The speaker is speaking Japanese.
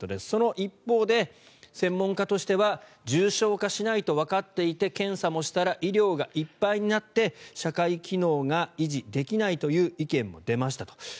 その一方で専門家としては重症化しないとわかっていて検査もしたら医療がいっぱいになって社会機能が維持できないという意見も出ましたと。